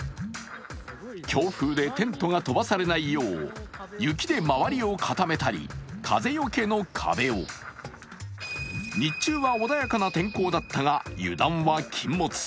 強風でテントが飛ばされないよう雪で周りを固めたり、風よけの壁を日中は穏やかな天候だったが油断は禁物。